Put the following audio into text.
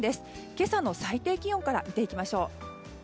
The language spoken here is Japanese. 今朝の最低気温から見ていきましょう。